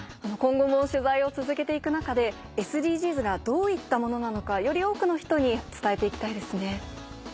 今後も取材を続けて行く中でＳＤＧｓがどういったものなのかより多くの人に伝えて行きたいですね。